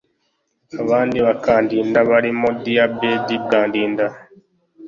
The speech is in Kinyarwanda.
Abandi bakandida barimo Dr Abed Bwanika